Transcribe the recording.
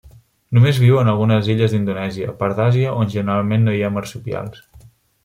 Només viu en algunes illes d'Indonèsia, part d'Àsia, on generalment no hi ha marsupials.